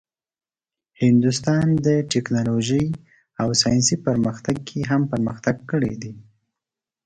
هندوستان د ټیکنالوژۍ او ساینسي پرمختګ کې هم پرمختګ کړی دی.